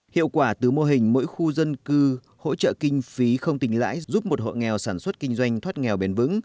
hiệu quả từ mô hình mỗi khu dân cư hỗ trợ kinh phí không tình lãi giúp một hộ nghèo sản xuất kinh doanh thoát nghèo bền vững